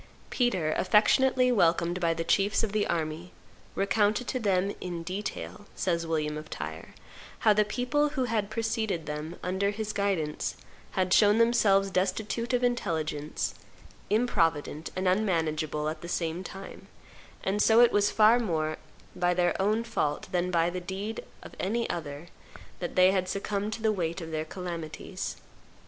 Peter, affectionately welcomed by the chiefs of the army, recounted to them "in detail," says William of Tyre, "how the people, who had preceded them under his guidance, had shown themselves destitute of intelligence, improvident, and unmanageable at the same time; and so it was far more by their own fault than by the deed of any other that they had succumbed to the weight of their calamities."